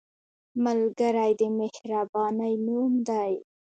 ملګری د مهربانۍ نوم دی